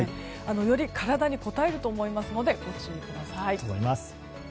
より体にこたえると思いますのでご注意ください。